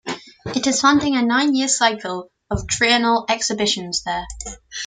It is funding a nine-year cycle of Triennial Exhibitions there.